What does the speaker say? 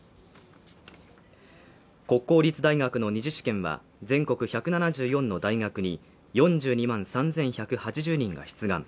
国公立大学の２次試験は全国１７４の大学に４２万３１８０人が出願。